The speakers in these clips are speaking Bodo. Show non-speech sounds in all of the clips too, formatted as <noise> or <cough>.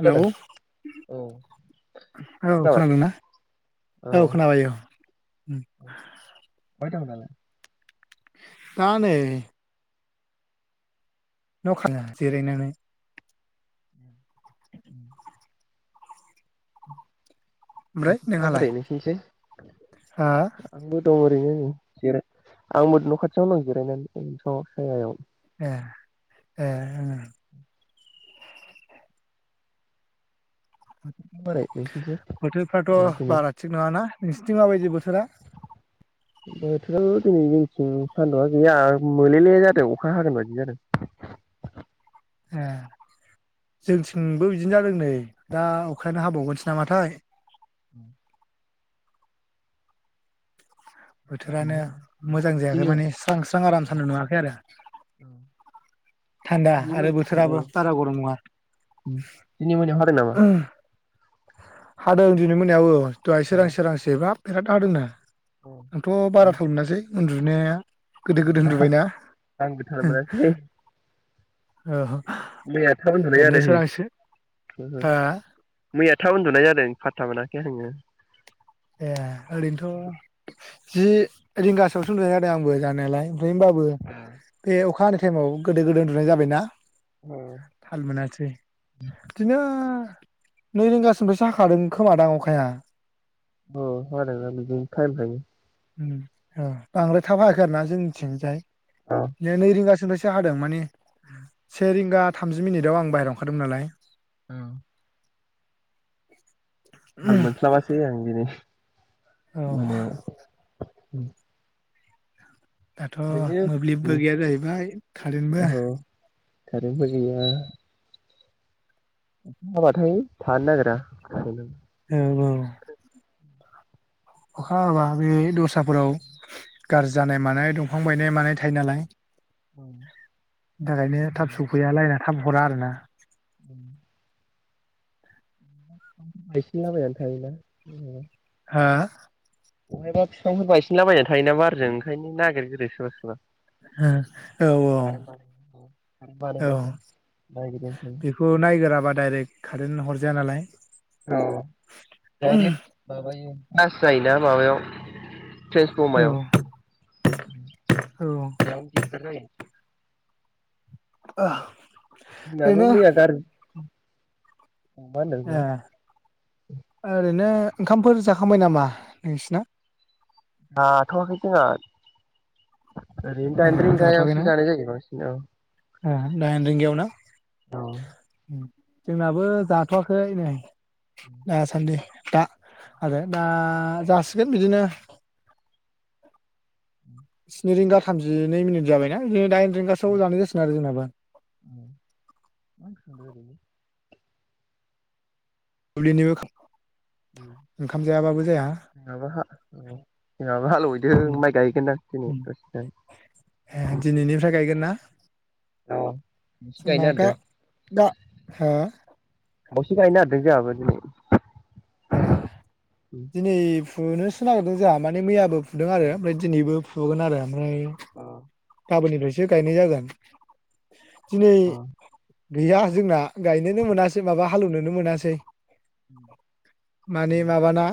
हेलौ खोनादों औ औ खोनाबाय खोनादोंना? औ खोनाबाय औ उ आसाम दं दालाय? दा नै न खाना जिरायनानै ओमफ्राय बोथोरफ्रा बोरै नोंहालाय नोंसिनिथिं? हा आंबो दं ओरैनो उ जिराय आंबो नखाथियावनो दं जिरायनानै । ए ए उ । बोथोरफ्रा बोरै नोंसिनिथिं बोथोरफ्राथ ओ दिनै बारा थिग नङाना? नोंसोरथिं माबायदि बोथोरा? बोथोरा <inaudible> दिनै जोंथिं सानदुंआ गैया मोलेले जादों अखा हागोन बायदि जादों । ए जोंथिंबो बिदिनो जादों नै दा अखायानो हाबावगोनसो नामाथाय । औ । हागोन ना बोथोरानो हाया? मोजां जायाखै दिनै औ माने स्रां स्रां आराम औ सनदुं दुंवाखै आरो । थान्दा दिनै आरो मोनायाव औ बोथोराबो बारा गरम नङा दिनै मोनायाव हादों नामा । हादों दिनि मोनायावबो । दहाय औ सोरां सोरां सिबा । बिराद आदोंना औ । आंथ बाराथाल मोनसै उन्दु ने गोदो गोदो उन्दुबायना आंबो थाल हो मोनासै औ । मैया थाब उन्दुनाय जादों हो उ उ ओ । थाब उन्दुनाय जादों फाथत्ता मोनाखै आङो । ए ओरैनोथ' जि रिंगासोआवसो उन्दुनाय जादों आंबो जानायालाय होमबाबो बे अखा टाइमाव गोदो गोदो उन्दुनाय जाबाय ना अ थाल मोनासै बिदिनो नै रिंगासिमनिफ्रायसो हाखादों खोमादां अखाया औ हादोंना‌ बिदिनो‌ थाइम थायो। उम आ बांद्राय थाब हायाखै आरो ना जोंनिथिंजाय ए नै रिंगासो दा हादों माने उम से रिंगा थामजि मिनिट आव आं बायरायाव ओंखारदोंमोन नालाय ओं <inaudible> थाल मोनस्लाबासै आं दिनै औ मोनायाव उम दाथ' मोब्लिबबो गैया जाहैबाय कारेन्टबो खारेनबो गैया। हाबाथाय थानो नागिरा <unintelligible> ओं ओं अखा हाबा बे दस्राफोराव गाज्रि जानाय मानाय दंफां बायनाय मानाय थायो नालाय थाखायनो थाब सफैया लाइन आ थाब हरा आरो ना ओं बायसिनला बायनानै थायोना हा बहायबा बिफांफोर बायसिनला थायोना बारजों ओंखायनो नागिरगोन सोरबा सोरबा ओं औ औ कारेन्ट बानायनो कारेन्ट औ बानायग्राफ्रा नागिरो ओंखायनो बेखौ नायगोराबा डाइरेक्ट खारेन हरजाया नालाय औ डायरेक्ट बाबायो बास जायोना माबायाव औ ट्रेन्सफमायाव औ बेयावनो दिगदार जायो। <inaudible> जोंनाबो ओरैनो मैया गार ए ओरैनो ओंखामफोर जाखांबाय नामा नोंसिना? जाथवााखै जोंहा। ओरैनो ए दाइन जाथ'वाखैना रिंगायावसो जानाय जायो बांसिन औ। दाइन रिंगायाव ना? औ। जोंनाबो जाथ'वाखै नै। दा सान्दै। दा आरो दा जासिगोन बिदिनो स्नि रिंगा थामजिनै मिनिट जाबायना दाइ रिंगासोआव जानाय जासिगोनो आरो जोंनाबो। <inaudible> दुब्लिनिबो ओंखाम जायाबाबो जाया जोंहाबो जोंहाबो उम हालेवहैदों माइ गाय हैगोनना दिनै उम दसे <inaudible> ए दिनैनिफ्राय गायगोन ना? औ खावसे जोंना गायनो दा नागिरदों दा हा? दसे गायनो नागिरदों जोंहाबो दिनै। ए दिनै फुनोसो नागिरदों जोंहा माने मैयाबो फुदों अ आरो ओमफ्राय दिनैबो फु फुगोन आरो। ओमफ्राय गाबोननिफ्रायसो गायनाय जागोन दिनै अ गैया जोंना गायनोनो मोनासै माबा हालेवनोनो मोनासै। माने माबाना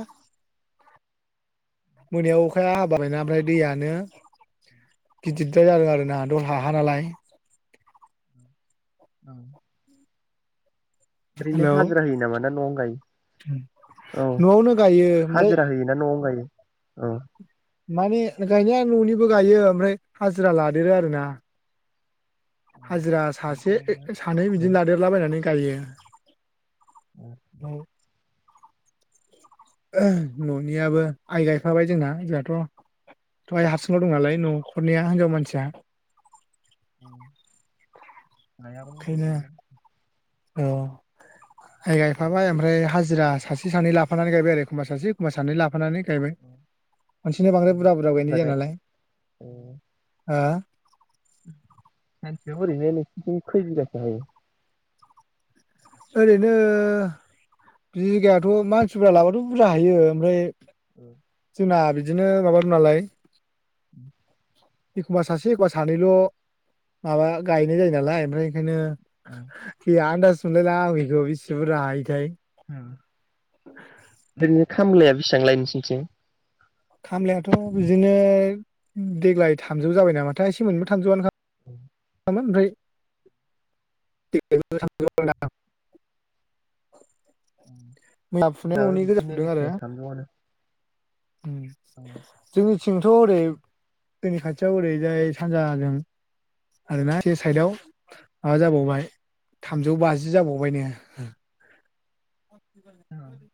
मोनायाव अखाया हाबायना ओमफ्राय दैयानो गिदिरद्राय जादों आरो ना दहाय हा नालाय। <unintelligible> <inaudible> ओरैनो हेलौ हाजिरा होयो नामा ना न'आवनो गायो औ न'आवनो गायो ओमफ्राय हाजिरा होयोना न'आवनो गायो? औ। माने गायनाया न'निबो गायो ओमफ्राय हाजिरा लादेरो आरो ना। हाजिरा सासे हाजिरा होयोना सानै औ बिदिनो लादेरलाबायनानै गायो। औ <inaudible> न'नियाबो आइ गायफाबाय जोंना जोंहाथ' थ आइ हारसिंल' दंनालाय न' नखरनिया हिनजाव मानसिया। <inaudible> ओंखायनो <unintelligible> औ। गायफाबाय ओमफ्राय हाजो। हाजिरा सासे सानै लाफानानै गायबाय आरो एखमबा सासे एखमबा सानै लाफानानै। गायबाय औ खनसेनो बांद्राय बुरजा बुरजा गायनाय जाया नालाय ओ हो। सानसेयाव ओरैनो नोंसिनि थिं खै बिगासो हायो। ओरैनो बिगायाथ' मानसि बुरजा लाबाथ' बुरजा हायो ओमफ्राय औ। जना बिदिनो माबाब नालाय। <inaudible> एखमबा सासे एखमबा सानैल' माबा गायनाय जायो नालाय ओमफ्राय ओंखायनो। ओ <unintelligible> मोनलाय लांआ आं बिखौ बेसे बुरजा हायोथाय। ओ। खामलाया बेसेबां लायनोससै। खामलायाथ' बिदिनो देग्लाय थामजौ जाबाय नामाथाय एसेमोनबो थामजौआनो। औ। ओमफ्राय थां। मोज फुनाया जोंनाबो न'नि गोजा बिदिनो फुदों आरो। एखे थामजौआनो। औ। थिंथ' ओरै जोंनि खाथियाव ओरैजाय सानजाजों आरोना ज साइदआव माबा जाबावबाय थामजौ बाजि जाबाव <unintelligible> औ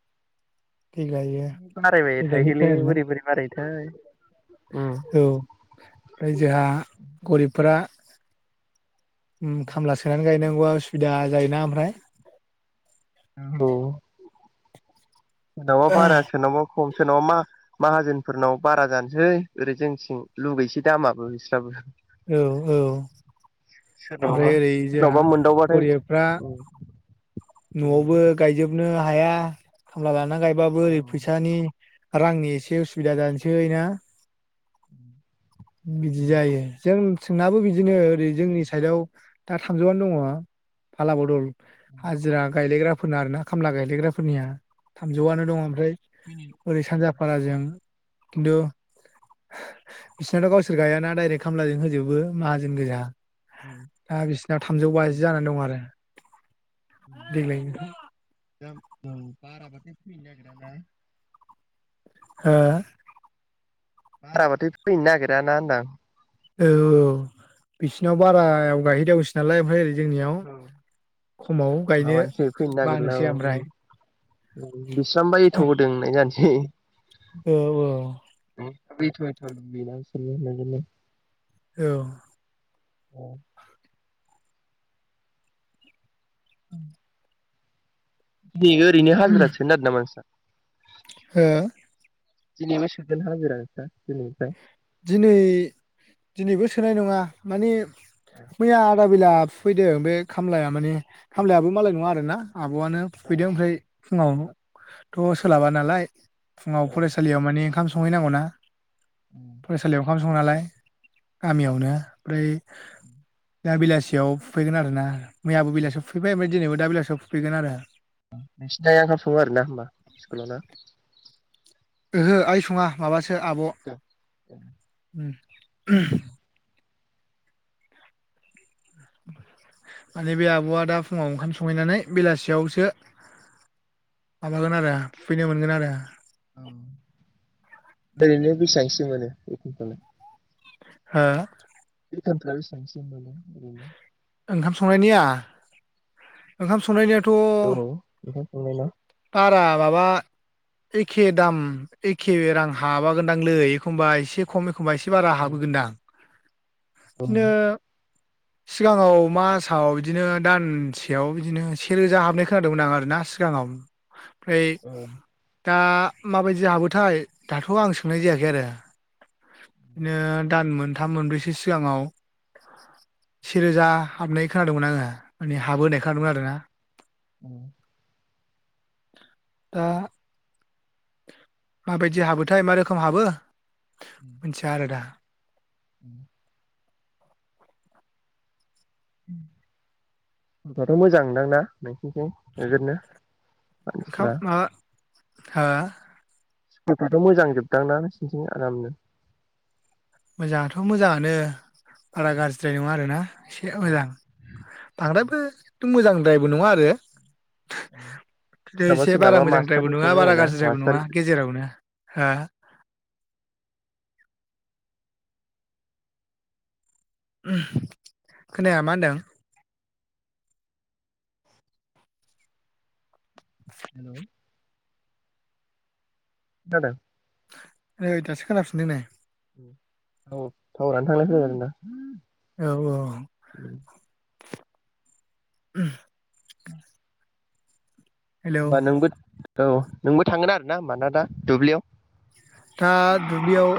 देग्लायो बारायबाय थायुलै देग्लायनिफ्राय आरोना बोरै बोरै बारायु। <inaudible> औ ओमफ्राय जोंहा गरिबफोरा उम खामला सोनानै गायनां ओ उसुबिदा जायोना ओमफ्राय। औ। सोरनावबा बार सोरनावबा खम सोरनाव बा मा माहाजोनफोरनाव बारा जानोसै ओरै जोंथिं लुगैसै दामाबो बिस्राबो। औ औ सोरनावबा ओमफ्राय ओरै जोंहा सोरनावबा मोनदावबाथाय गरियबफ्रा औ औ न'बो गायजोब नों हाया खामला लाना बाबो औ ओरै उम फैसानि रांनि एसे उसुबिदा जानोसै ना। <inaudible> बिदि उम जायो जों नाबो बिदिनो ओरै उम जोंनि सायदाव दा थांजोबनानै दङ फाला बदल हाजिरा गायलायग्रा फोरना आरो ना खामला गायलायग्राफोरनिया उम थामजौआनो दं ओमफ्राय फैनो औ ओरै सानजा फाराजों खिन्थु बिसोरनाथ' गावसोर गायाना डायरेक्ट खामलाजों होजोबो माहाजोन गोजा। औ दा बिसिनाव थामजौ औ बाजि जाना दं आरो औ देग्लाय निफ्राय दा औ बाराबाथाय फैनो नागिरा ना हो? बाराबाथाय फैनो नागिराना होनदां औ औ बिसिनाव बारायाव गायहैदावस नालय ओमफाय ओरै जोंनियाव औ खमाव गायनो माबानोसै फैनो नागिरला बानोसै औ औ ओमफ्राय उम बिस्रानोबा एथ' होदों होननाय जानस सै औ औ बेथ' एथ' बेनावसो <unintelligible> औ <unintelligible> उम <unintelligible> ओरैनो हाजिरा सोनो नागिरदों नामा नोंस्रा? हो? दिनैबो सोगोन हाजिरा नोंस्रा दिनैनिफ्राय? दिनै दिनैबो सोनाय नङा माने मैया आदा बेला फैदों बे खामलाया माने खामलायाबो मालाय नङा आरोना आब'आनो फुफैदों ओमफ्राय फुङाव थ' सोलाबा नालाय फुङाव नोंसिना फरायसालियाव माने ओंखाम स संहैनांगौ ना फरायसालियाव ओंखाम सङो नालाय गामियावनो फ्राय <inaudible> दा बेलासियाव फुफैगोन आरोना मैयाबो बेलासियाव फुफैबाय ओमफ्राय दिनैबो दा बेलासियाव फुफैगोन आरो नोंसिनि आया ओंखाम सङो आरोना होमबा स्कुलाव ना ओहो आइ सङा माबासो आब' ओम ओम माने बे आब'आ दा फुङाव ओंखाम संहैनानै बेलासियावसो माबागोन आरो फैनो मोनगोन आरो ओ ओरैनो बेसेबांसो मोनो बेथनफ्रालाय हो <unintelligible> ओंखाम संनायनिया ओंखाम संनायनियाथ औ ओंथाय संनाय ना बारा माबा एखे दाम एखे रां हाबागोनदांलै एखमबा एसे खम एखनबा एसे बारा हाबोगोनदां औ बिदिनो सिगाङाव मासाव बिदिनो दानसे सेयाव बिदिनो सेेरोजा हाबनाय खोनादोंमोन आं आरोना ओमफ्राय दा माबायदि हाबोथाय दाथ' आं सोंनाय जायाखै आरो बिदिनो दान मोनथाम मोनब्रैसो सिगाङाव सेेरोजा हाबनाय खोनादोंमोन आङो माने हाबो होनाय खोनादोंमोन आरोना दा माबायदि हाबोथाय मा रोखोम हाबो मोनथिया आरोदा <inaudible> दाथ' मोजांदांना नों <unintelligible> मानसिफ्रा हा स्कुलफ्राथ मोजां जोबदांना नोंसोरथिं आरामनो मोजाङाथ मोजाङानो बारा गाज्रिद्राय नङा आरोना एसे मोजां बांद्रायबो एथ मोजांद्रायबो नङा आरो ह'थथे सोरनाबा एसे सोरनाबा बारा मोजांद्रायबो मास्टारनि नङा प्रब्लेम बारा जायोना गाज्रिद्रायबो मास्टार नङा गेजेरावनो हा ओम खोनाया मा होनदों हेलौ खोनादों नै दासो खोनाफिनदों नै औ थावारानो थांलाय फैलाय जादों ना औ औ। <unintelligible> <inaudible> हेलौ बा नोंबो औ नोंबो थांगोन आरो ना होमबाना दा दुब्लियाव। दा दुब्लियाव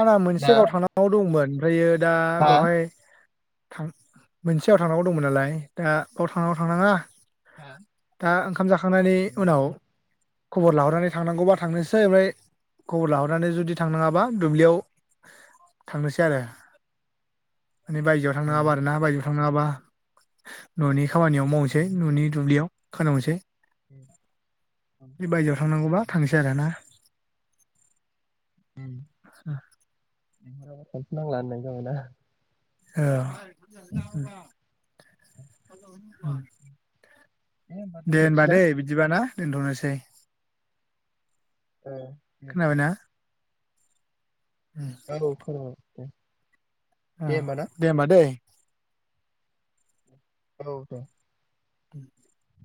आंना मोनसे दा गाव थांनांगौ दंमोन। ओमफ्रायो दा हा बेवहाय थां मोनसेयाव थांनांगौ दंमोन नालाय दा बेयाव थांनांगौ थांनाङा आ आ ओं खाम जाखांनानै उनाव खबर लाहरनानै थांनांगौबा थांनोसै ओमफ्राय खबर लाहरनानै जुदि थांनाङाबा दुब्लियाव थांनोसै आरो। माने बायजोआव थांनाङाबा आरो ना बायजो थाङाबा ननि खामानियाव मावनोसै ननि दुब्लियाव। <unintelligible> बायजोआव थांनांगौबा थांनोसै आरोना। आदसा। लेंहराबा थांथनांला होननाय जाबाय ना। औ। <inaudible> <unintelligible> होमबा दे दोनथ'नोसै होनबा ना दे बिदिबा ना। दोनथनोसै। औ खोनाबायना? औ खोनाबाय नोंथां। दे होमबा दे। औ दे। <inaudible>